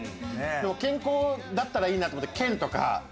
でも健康だったらいいなと思って「健」とか。